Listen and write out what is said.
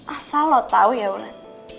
asal lo tau ya udah